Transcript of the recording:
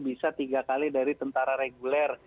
bisa tiga kali dari tentara reguler